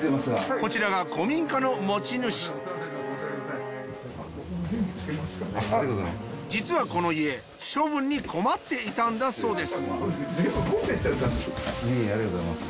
こちらが実はこの家処分に困っていたんだそうです